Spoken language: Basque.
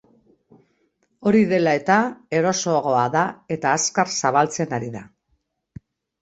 Hori dela-eta, erosoagoa da, eta azkar zabaltzen ari da.